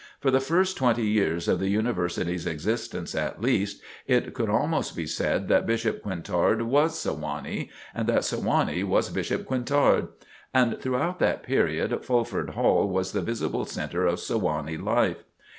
For the first twenty years of the University's existence at least, it could almost be said that Bishop Quintard was Sewanee and that Sewanee was Bishop Quintard; and throughout that period Fulford Hall was the visible center of Sewanee life.